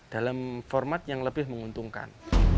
dalam format yang lebih menguntungkan